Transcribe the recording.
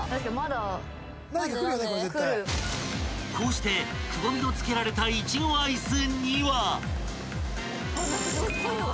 ［こうしてくぼみのつけられた苺アイスには］